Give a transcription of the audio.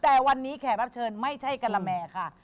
แต่วันนี้แขกรับเชิญไม่ใช่กะละแม่ค่ะ